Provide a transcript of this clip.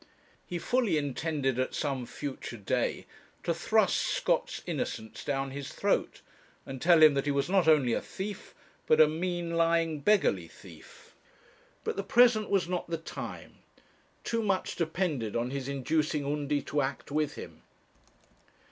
He fully intended at some future day to thrust Scott's innocence down his throat, and tell him that he was not only a thief, but a mean, lying, beggarly thief. But the present was not the time. Too much depended on his inducing Undy to act with him.